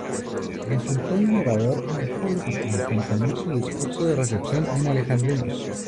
Resultó innovador en la forma al componer su discurso de recepción en alejandrinos.